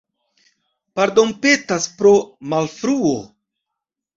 Pardonpetas pro malfruo.